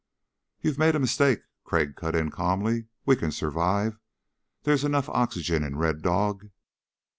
"You've made a mistake," Crag cut in calmly. "We can survive. There's enough oxygen in Red Dog."